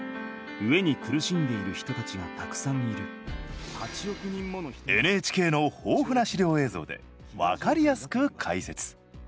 飢えに苦しんでいる人たちがたくさんいるＮＨＫの豊富な資料映像で分かりやすく解説。